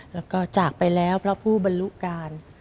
แล้วก็จากไปแล้วเพราะผู้บรรลุการ